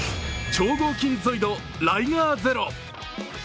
超合金ゾイドライガーゼロ。